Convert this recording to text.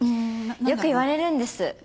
よく言われるんです。